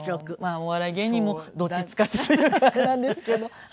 お笑い芸人もどっちつかずというかなんですけど。